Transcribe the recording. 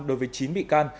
đối với chín bị can